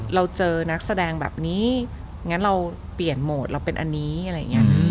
เราเจอนักแสดงแบบนี้งั้นเราเปลี่ยนโหมดเราเป็นอันนี้อะไรอย่างนี้